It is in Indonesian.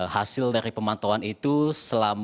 hasil dari pemantauan itu